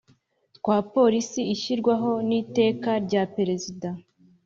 twa Polisi ishyirwaho n Iteka rya Perezida